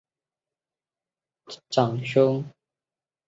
冈部元信长兄。